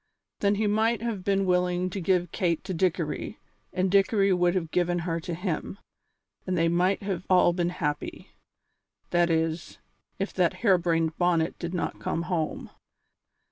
Then he might have been willing to give Kate to Dickory, and Dickory would have given her to him, and they might have all been happy. That is, if that hare brained Bonnet did not come home.